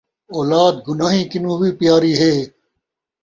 اولاد گناہیں کنوں وی پیاری ہے